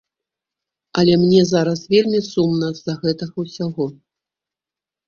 Але мне зараз вельмі сумна з-за гэтага ўсяго.